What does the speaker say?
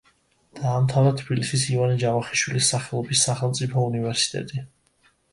დაამთავრა თბილისის ივანე ჯავახიშვილის სახელობის სახელმწიფო უნივერსიტეტი.